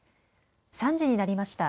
３時になりました。